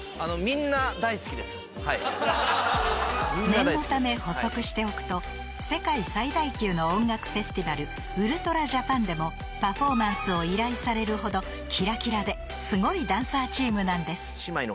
［念のため補足しておくと世界最大級の音楽フェスティバルＵＬＴＲＡＪＡＰＡＮでもパフォーマンスを依頼されるほどキラキラですごいダンサーチームなんです］